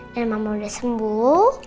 dan mama udah sembuh